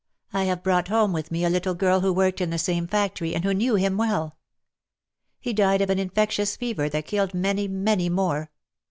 " I have brought home with me a little girl who worked in the same factory, and who knew him well. He died of an infectious fever that killed many, many more.